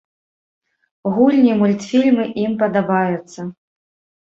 Гульні, мультфільмы ім падабаюцца.